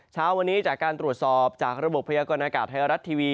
เช้าวันนี้จากการตรวจสอบจากระบบพยากรณากาศไทยรัฐทีวี